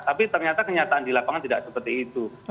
tapi ternyata kenyataan di lapangan tidak seperti itu